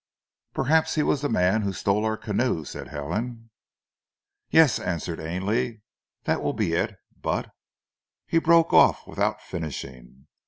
"Perhaps he was the man who stole our canoe," said Helen. "Yes," answered Ainley, "that will be it. But " he broke off without finishing.